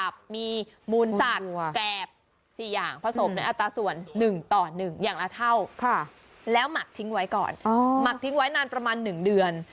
พระอย่างต่อ๑ต่อ๑อย่างละเท่าแล้วหมักทิ้งไว้ก่อนหมักทิ้งไว้นานประมาณ๑เดือน